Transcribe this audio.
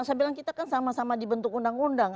saya bilang kita kan sama sama dibentuk undang undang